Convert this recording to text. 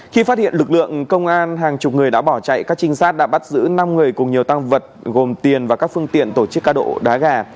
khi phát hiện lực lượng công an hàng chục người đã bỏ chạy các trinh sát đã bắt giữ năm người cùng nhiều tăng vật gồm tiền và các phương tiện tổ chức cá độ đá gà